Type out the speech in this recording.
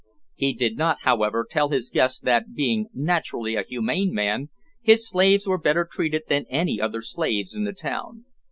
He did not, however, tell his guests that being naturally a humane man, his slaves were better treated than any other slaves in the town.